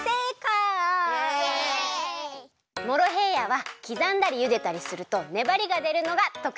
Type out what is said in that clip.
モロヘイヤはきざんだりゆでたりするとねばりがでるのがとくちょう。